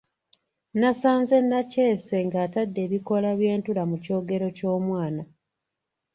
Nasanze Nakyese ng’atadde ebikoola by’entula mu kyogero ky’omwana.